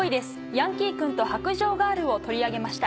ヤンキー君と白杖ガール』を取り上げました。